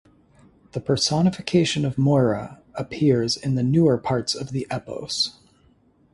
The personification of "Moira" appears in the newer parts of the epos.